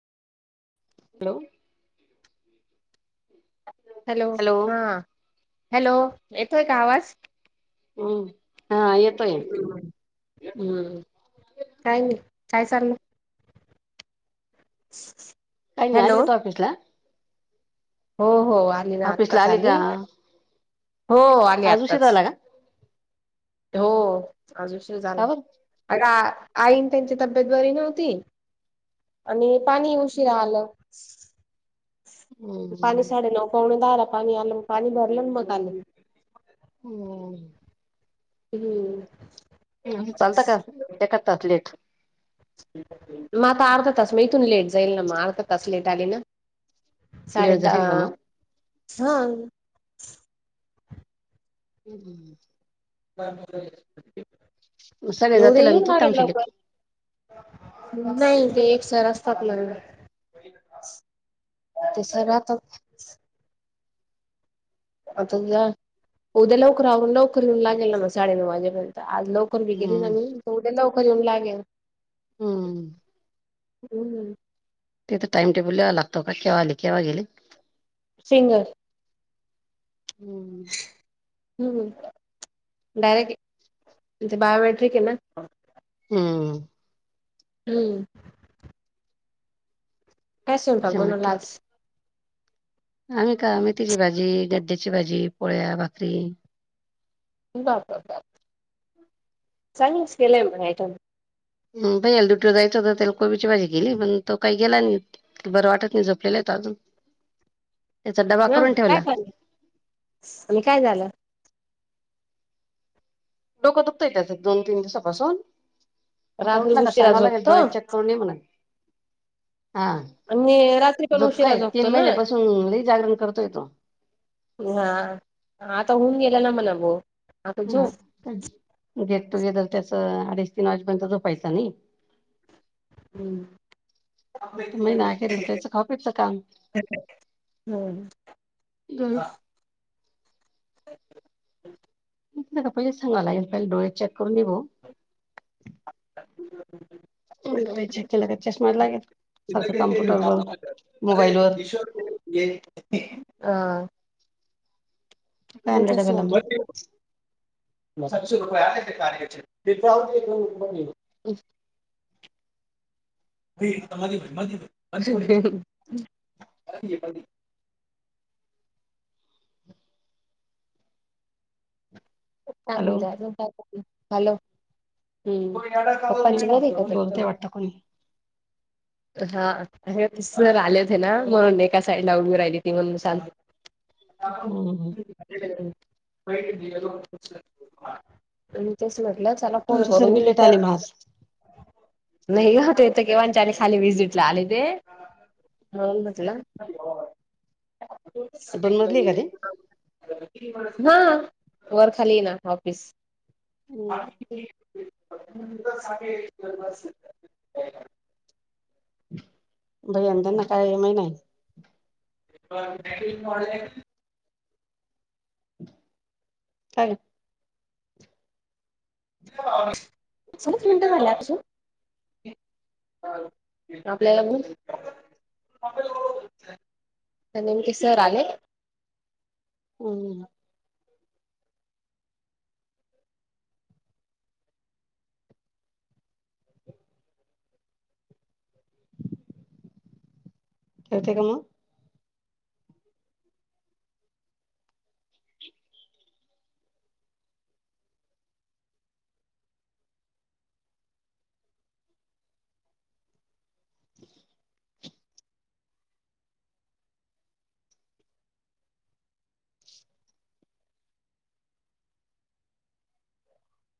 Hello. Hello हा hello येतोय का आवाज? हम्म हा ये हम्म काय नाही काय चाललंय? काय नाही आली होती ऑफिसला. हो हो आली ना ऑफिसला आत्ताच आली का हो आली आज उशीर आत्ताच. झाला का हो आज उशीर झाला का बर आता अगं आ आईन त्यांची तब्येत बरी नव्हती. आणि पाणी उशिरा आलं. पाणी हम्म साडेनऊ पावणे दहाला पाणी आलं मग, पाणी भरलं आणि मग आले. हो हो. हम्म. [unintelligible] चालत का ते करतात लेट. म आता अर्ध तास म इथून लेट जाईल ना म अर्ध तास लेट आली ना. साडे लेट जाशील दहा का मग हांग हम्म हम्म हम्म. सगळे उद्या जातील आणि येईल तू घरून थांबशील लवकर. एक नाही ते एक सर असता. [unintelligible] ते सर राहता आता जा उद्या लवकर आवरुन लवकर निघायला लागेल ना मग साडेनऊ वाजेपर्यंत. आज लवकर कल बी गेली ना हम्म मी तर उद्या लवकर येऊन लागेल हम्म हम्म. ते तर टाइम टेबल लिवायला लागतो, का केव्हा आले केव्हा गेले. फिंगर हम्म हम्म. हम्म डायरेक्ट आहे इथे बायोमॅट्रिक आहे ना. हम्म. हम्म. काय स्वयंपाक त्याच्यामुळे बनवला आज? आम्ही का मेथीची भाजी, गड्ड्याची भाजी, पोळ्या, भाकरी. दाखवण्यात. चांगलंच केलंय म्हणे इथून. हम्म भैयाला ड्युटीवर जायचं होतं त्याला कोबीची भाजी केली, पण तो काही गेला नाही. बरं वाटत तो झोपलेला आहेत अजून. त्याचा डबा हा करून काय ठेवला. झालं आणि काय झालं? डोकं दुखतंय त्याच दोन तीन दिवसापासून. आता रात्री उठला का उशिरा सांगाव लागेल झोपतो डोळ्या चेक करून ये म्हणन. हा आणि रात्री पण झोप उशिरा काय? झोपतो तीन ना महिन्यापासून लई जागरण करतोय तो. हा. आता होऊन गेला ना मला [unintelligible] हा गेट टु गेदर त्याच अडीच तीन वाजेपर्यंत झोपायचं नाही. हम्म. आता महिना अखेरला त्याचं खाऊपीचं काम. होय. [unintelligible] [unintelligible] सांगाला डोळे चेक करून निगो चेक केलं का, चष्मा लागेल. सारखं कम्प्युटरवर, मोबाईलवर. आ. काय आणलं डब्याला मग [unintelligible] [unintelligible] [unintelligible] एकटा आहे म्हणून, हॅलो. जागरण काय करतोय, हॅलो हम्म. प्पांची गावी का ते पण मग [unintelligible] हा सर आलेत ना, म्हणून एका साईडला उड राहिली ती म्हणून सां. [unintelligible] हम्म आणि तेस म्हटलं चला फोन तुमची करून मी सर्वी लेट आली विचार. मग आज नाही हो ते तर केव्हाच चालीस खाली विजिटला आलेते म्हणून म्हटलं. दोन मजली आहे का ते? हा वर खाली आहे ना ऑफिस. हम्म [inaudible] दहीहंडीला काही [unintelligible] नाही. [unintelligible] काय [unintelligible] आपल्याला बोल. ते नेमके सर आले. हम्म. कळतंय काय मग